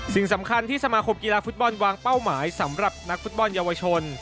สิ่งสำคัญที่สมาคมกีฬาฟุตบอลวางเป้าหมายสำหรับนักฟุตบอลเยาวชน